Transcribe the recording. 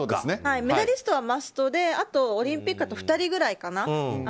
メダリストはマストであと、オリンピックだと２人ぐらいかな